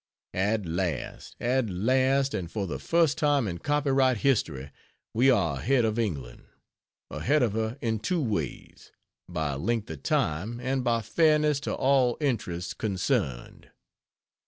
At last at last and for the first time in copyright history we are ahead of England! Ahead of her in two ways: by length of time and by fairness to all interests concerned.